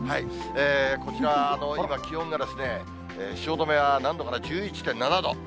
こちら、今気温が汐留は何度かな、１１．７度。